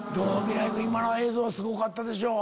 未來君今の映像はすごかったでしょ。